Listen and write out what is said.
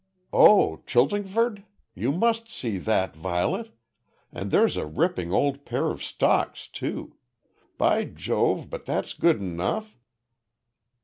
"Oh, Chiltingford? You must see that, Violet. And there's a ripping old pair of stocks too. By Jove, but that's good enough!"